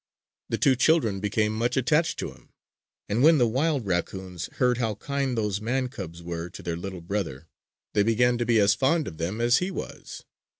The two children became much attached to him; and when the wild raccoons heard how kind those man cubs were to their little brother, they began to be as fond of them as he was.